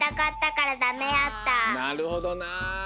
なるほどな。